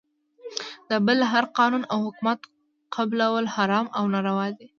د بل هر قانون او حکومت قبلول حرام او ناروا دی .